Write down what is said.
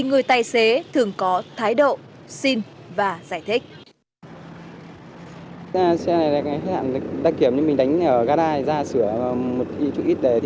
người tài xế thường có thái độ xin và giải thích